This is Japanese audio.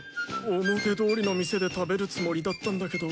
表通りの店で食べるつもりだったんだけど。